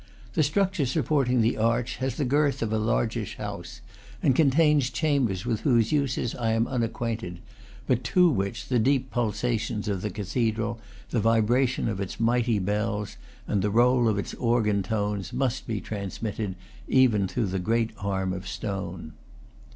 The structure supporting the arch has the girth of a largeish house, and con tains chambers with whose uses I am unacquainted, but to which the deep pulsations of the cathedral, the vibration of its mighty bells, and the roll of its organ tones must be transmitted even through the great arm of stone.